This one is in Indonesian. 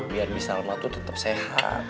biar bisa lama tuh tetep sehat